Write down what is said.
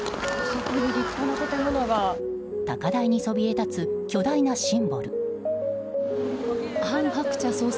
高台にそびえ立つ巨大なシンボル。